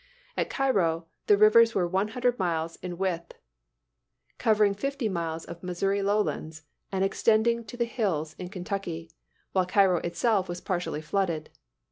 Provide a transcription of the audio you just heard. At Cairo, the rivers were one hundred miles in width, covering fifty miles of Missouri lowlands, and extending to the hills in Kentucky; while Cairo itself was partially flooded.